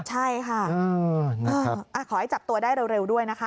ใช่ค่ะขอให้จับตัวได้เร็วด้วยนะคะ